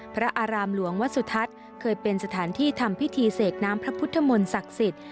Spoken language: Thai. พระอารามหลวงวัสสุทัศน์เคยเป็นสถานที่ทำพิธีเสกน้ำพระพุทธมนต์ศักดิ์สิทธิ์